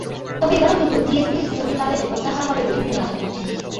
তবে এবার অন্তত জিএসপি স্থগিতাদেশ প্রত্যাহার হবে বলে তিনি আশা করছেন।